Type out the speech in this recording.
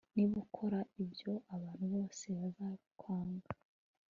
niba ukora ibyo, abantu bose bazakwanga